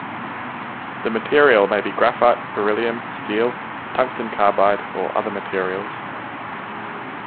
The material may be graphite, beryllium, steel, tungsten carbide, or other materials.